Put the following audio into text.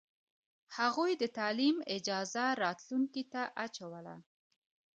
هغوی د تعلیم اجازه راتلونکې ته اچوله.